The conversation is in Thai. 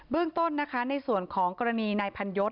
เรื่องต้นนะคะในส่วนของกรณีนายพันยศ